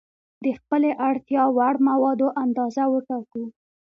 د خپلې اړتیا وړ موادو اندازه وټاکو.